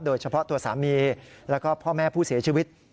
โดยเฉพาะตัวสามีแล้วก็พ่อแม่ผู้เสียชีวิต